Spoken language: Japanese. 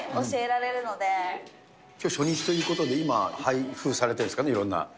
きょう、初日ということで、今、配布されているんですかね、いろんな。